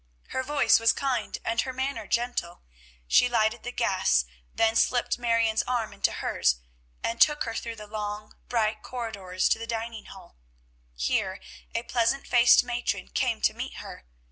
Her voice was kind, and her manner gentle. She lighted the gas, then slipped Marion's arm into hers, and took her through the long, bright corridors to the dining hall. Here, a pleasant faced matron came to meet her.